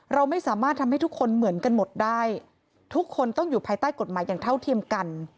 เราไม่สามารถทำให้ทุกคนเหมือนกันหมดได้ทุกคนต้องอยู่ภายใต้กฎหมายอย่างเท่าเทียมกัน